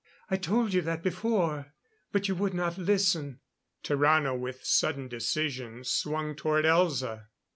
I told you that before, but you would not listen." Tarrano, with sudden decision, swung toward Elza.